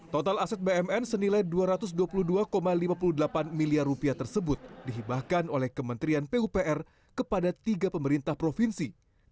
total aset bmn senilai rp dua ratus dua puluh dua lima puluh delapan miliar tersebut dihibahkan oleh kementerian pupr kepada tiga pemerintah provinsi